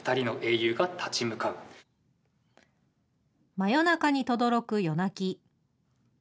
真夜中にとどろく夜泣き！